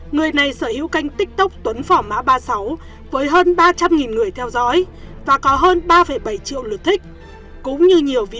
người này sở hữu kênh tiktok tuấn phỏ mã ba mươi sáu với hơn ba trăm linh người theo dõi và có hơn ba bảy triệu lượt thích